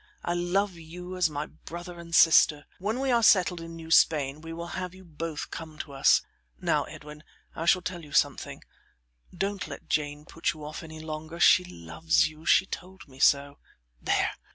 I love you as my brother and sister. When we are settled in New Spain we will have you both come to us. Now, Edwin, I shall tell you something: don't let Jane put you off any longer. She loves you; she told me so. There!